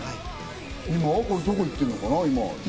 今はどこ行ってんのかな？